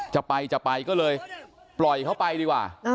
จะไปจะไปก็เลยปล่อยเขาไปดีกว่า